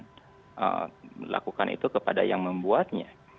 dan lakukan itu kepada yang membuatnya